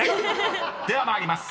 ［では参ります。